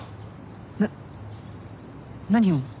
なっ何を？